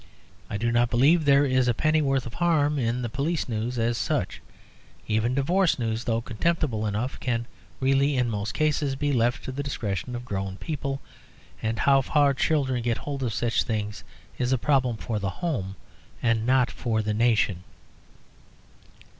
I do not believe there is a pennyworth of harm in the police news, as such. Even divorce news, though contemptible enough, can really in most cases be left to the discretion of grown people; and how far children get hold of such things is a problem for the home and not for the nation.